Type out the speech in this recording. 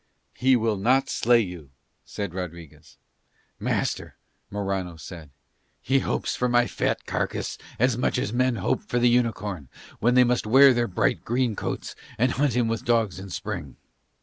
"He will not slay you," said Rodriguez. "Master," Morano said, "he hopes for my fat carcase as much as men hope for the unicorn, when they wear their bright green coats and hunt him with dogs in Spring."